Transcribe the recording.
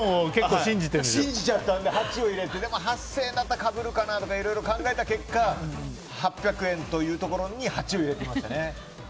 信じちゃったので８を入れて、８０００円だったらかぶるかなとかいろいろ考えた結果８００円というところに８を入れてみました。